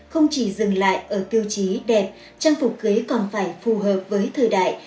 không chỉ dừng lại ở tiêu chí đẹp trang phục cưới còn phải phù hợp với thời đại